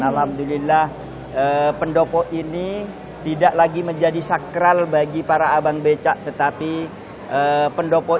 alhamdulillah pendopo ini tidak lagi menjadi sakral bagi para abang becak tetapi pendopo